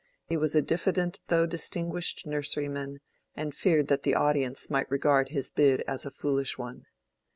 He was a diffident though distinguished nurseryman, and feared that the audience might regard his bid as a foolish one.